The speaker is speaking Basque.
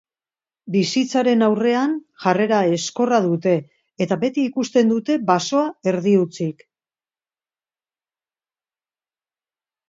Bizitzaren aurrean jarrera ezkorra dute eta beti ikusten dute basoa erdi-hutsik.